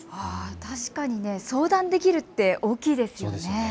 確かに相談できるって大きいですよね。